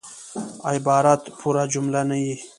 عبارت پوره جمله نه يي.